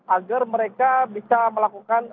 agar mereka bisa melakukan